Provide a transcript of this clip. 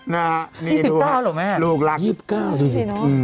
นะนี่ดูหรอลูกรักอบ๊วยรัก๒๙เลยอืม